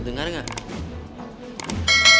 lo dengar gak